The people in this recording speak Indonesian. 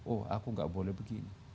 oh aku gak boleh begini